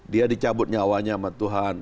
dia dicabut nyawanya sama tuhan